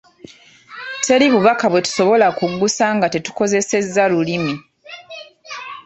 Teri bubaka bwe tusobola kuggusa nga tetukozesezza Lulimi